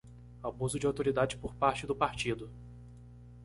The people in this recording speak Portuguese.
Abuso de autoridade por parte do partido.